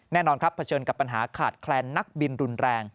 แน่นอนครับเผชิญกับปัญหาขาดแคลนนักบินรุนแรง